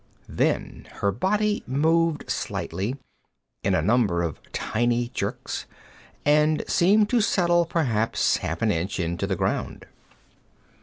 Then her body moved slightly, in a number of tiny jerks, and seemed to settle perhaps half an inch into the ground.